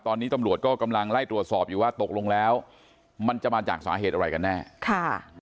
ตอนนี้ตำรวจก็กำลังไล่ตรวจสอบอยู่ว่าตกลงแล้วมันจะมาจากสาเหตุอะไรกันแน่ค่ะ